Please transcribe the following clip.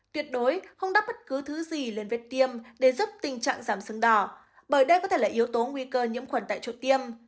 tuyệt đối không đắp bất cứ thứ gì lên việc tiêm để giúp tình trạng giảm sưng đỏ bởi đây có thể là yếu tố nguy cơ nhiễm khuẩn tại chỗ tiêm